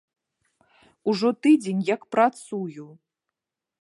Ужо тыдзень як працую.